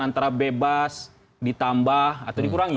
antara bebas ditambah atau dikurangi